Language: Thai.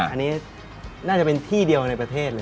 อันนี้น่าจะเป็นที่เดียวในประเทศเลย